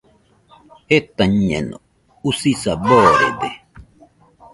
Jetañeno, usisa boorede.